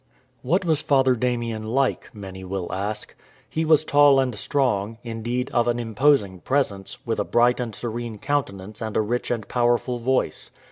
What was Father Damien like? many will ask. He was tall and strong, indeed of an imposing presence, with a bright and serene countenance and a rich and powerful voice.